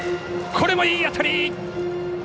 これもいい当たり。